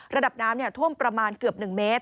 ระดับน้ำท่วมประมาณเกือบ๑เมตร